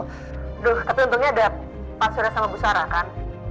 duh tapi untungnya ada pak surya sama bu sarah kan